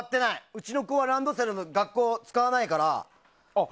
うちの子はランドセルを学校で使わないから。